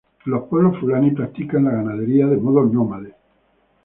Los pueblos fulani practican la ganadería de modo nómade.